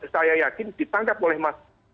saya yakin ditangkap oleh mas surya paloh